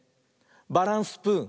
「バランスプーン」！